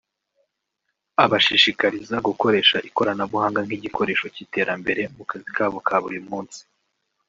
abashishikariza gukoresha ikoranabuhanga nk’igikoresho cy’iterambere mu kazi kabo ka buri munsi